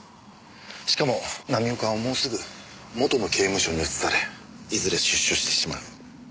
しかも浪岡はもうすぐ元の刑務所に移されいずれ出所してしまう。